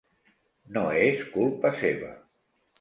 No és culpa seva.